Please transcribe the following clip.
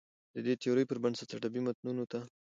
د دې تيورۍ پر بنسټ ادبي متونو ته